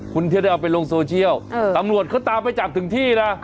คุณจะได้เอาไปลงโซเชียลตำรวจเขาตามไปจับถึงที่นะ